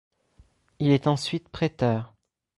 Il est ensuite préteur.